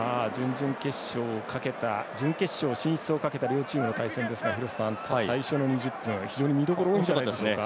準決勝進出をかけた両チームの対戦ですが最初の２０分非常に見どころ多かったんじゃないでしょうか。